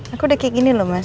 aku udah kayak gini loh mas